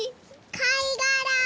かいがら！